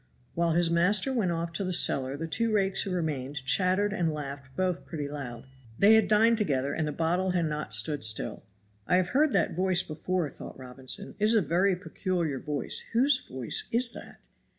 While his master went off to the cellar the two rakes who remained chattered and laughed both pretty loud. They had dined together and the bottle had not stood still. "I have heard that voice before," thought Robinson. "It is a very peculiar voice. Whose voice is that?"